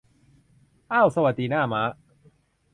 เอ้า สวัสดี หน้าม้า